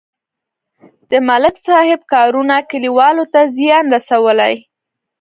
د ملک صاحب کارونو کلیوالو ته زیان رسولی.